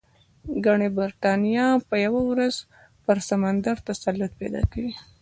ګنې برېټانیا به یوه ورځ پر سمندر تسلط پیدا کوي.